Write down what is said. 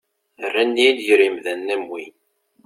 Rran-iyi-d gar yimdanen am wi.